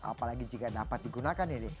apalagi jika dapat digunakan ini